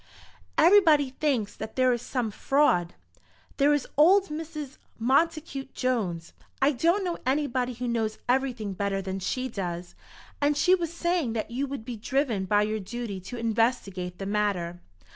"Everybody thinks that there is some fraud. There is old Mrs. Montacute Jones, I don't know anybody who knows everything better than she does, and she was saying that you would be driven by your duty to investigate the matter.